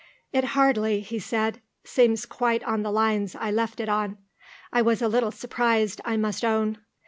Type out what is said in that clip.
"It hardly," he said, "seems quite on the lines I left it on. I was a little surprised, I must own.